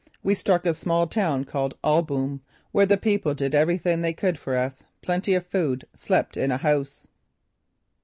We struck a small town called Alboom where the people did everything they could for us. Plenty of food. Slept in a house!"